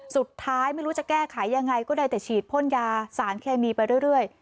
สุดท้ายไม่รู้จะแก้ไขยังไงก็ได้แต่ฉีดพ่นยาสารเคมีไปเรื่อย